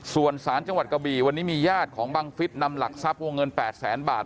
ส่วนสารจังหวัดกะบี่วันนี้มีญาติของบังฟิศนำหลักทรัพย์วงเงิน๘แสนบาท